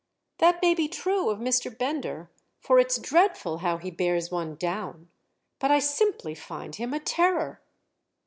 "That may be true of Mr. Bender—for it's dreadful how he bears one down. But I simply find him a terror."